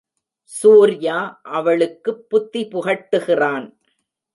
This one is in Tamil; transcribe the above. சூர்யா அவளுக்குப் புத்தி புகட்டுகிறான்.